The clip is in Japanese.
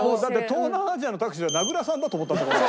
東南アジアのタクシーで名倉さんだと思ったんだもん。